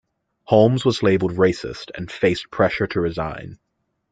Holmes was labelled racist and faced pressure to resign.